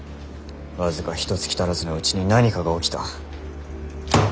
僅かひとつき足らずのうちに何かが起きた。